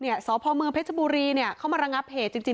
เนี่ยสพเมืองเพชรบุรีเนี่ยเข้ามาลังงับเหตุจริง